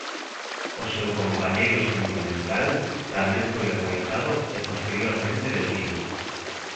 O seu compañeiro sentimental tamén foi localizado e posteriormente detido.